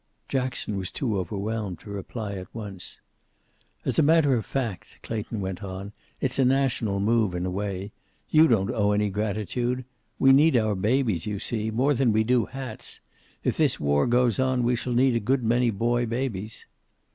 Jackson was too overwhelmed to reply at once. "As a matter of fad," Clayton went on, "it's a national move, in a way. You don't owe any gratitude. We need our babies, you see. More than we do hats! If this war goes on, we shall need a good many boy babies."